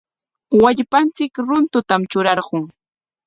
Wallpanchik runtutam trurarqun.